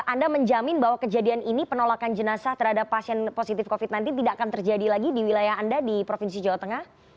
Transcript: anda menjamin bahwa kejadian ini penolakan jenazah terhadap pasien positif covid sembilan belas tidak akan terjadi lagi di wilayah anda di provinsi jawa tengah